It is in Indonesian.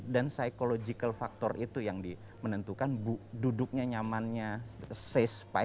dan psychological factor itu yang di menentukan duduknya nyamannya safe